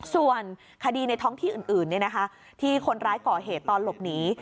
ส่วนคดีในท้องที่อื่นที่คนร้ายก่อเหตุตอนหลบหนี